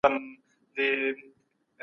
حقوقپوهان ولي نړیوالي اړیکي پراخوي؟